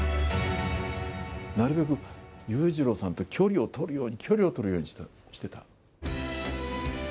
なるべく裕次郎さんと距離を取るように、距離を取るようにしてたの。